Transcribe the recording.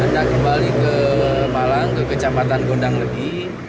anda kembali ke malang ke kecamatan gondang legi